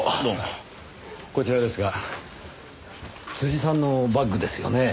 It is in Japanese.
こちらですが辻さんのバッグですよねぇ。